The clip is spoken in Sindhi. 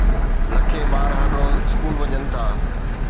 لکين ٻار هر روز اسڪول وڃن ٿا.